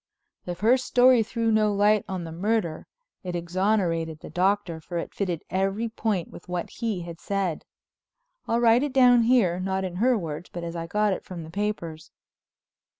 If her story threw no light on the murder it exonerated the Doctor, for it fitted at every point with what he had said. I'll write it down here, not in her words, but as I got it from the papers.